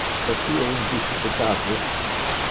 Es io in difficultates?